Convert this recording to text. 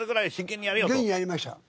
現にやりました。